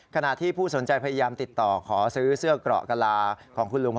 ขณะที่ผู้สนใจพยายามติดต่อขอซื้อเสื้อเกราะกะลาของคุณลุง